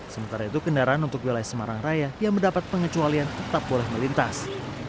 sementara itu kendaraan untuk wilayah semarang raya yang mendapat pengecualian tetap boleh melintas